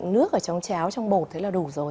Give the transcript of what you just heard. nước ở trong cháo trong bột thế là đủ rồi